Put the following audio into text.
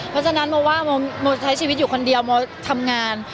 เพราะฉะนั้นโมว่าโมใช้ชีวิตอยู่คนเดียวโมทำงาน